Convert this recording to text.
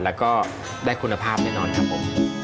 แล้วก็ได้คุณภาพแน่นอนครับผม